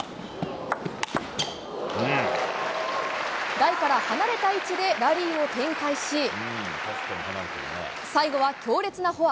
台から離れた位置でラリーを展開し最後は強烈なフォア。